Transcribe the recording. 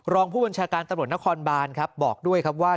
รองผู้บัญชาการตำรวจนครบานครับบอกด้วยครับว่า